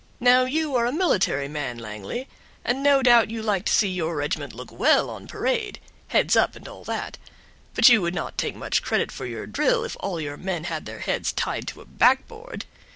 Now, you are a military man, Langley, and no doubt like to see your regiment look well on parade, 'heads up', and all that; but you would not take much credit for your drill if all your men had their heads tied to a backboard!